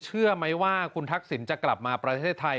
เชื่อไหมว่าคุณทักษิณจะกลับมาประเทศไทย